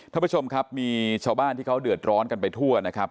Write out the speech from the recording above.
ท่านผู้ชมครับมีชาวบ้านที่เขาเดือดร้อนกันไปทั่วนะครับ